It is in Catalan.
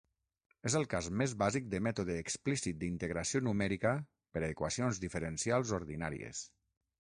És el cas més bàsic de mètode explícit d'integració numèrica per a equacions diferencials ordinàries.